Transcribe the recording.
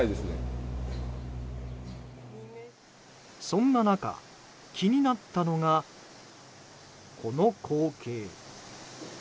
そんな中、気になったのがこの光景。